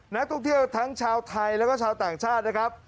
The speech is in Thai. นักท่องเที่ยวทั้งชาวไทยแล้วก็ชาวต่างชาตินะครับ